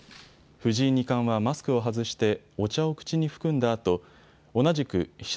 藤井二冠はマスクを外してお茶を口に含んだあと同じく飛車